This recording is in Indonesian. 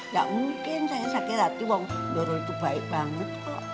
gak mungkin saya sakit hati wong doro itu baik banget